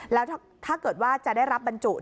แล้วถ้าเกิดว่าจะได้รับบรรจุ